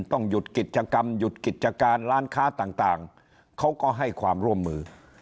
ต้องหยุดกิจกรรมหยุดกิจการร้านค้าต่างเขาก็ให้ความร่วมมือ